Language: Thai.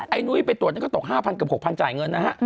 นุ้ยไปตรวจนั้นก็ตก๕๐๐เกือบ๖๐๐จ่ายเงินนะฮะ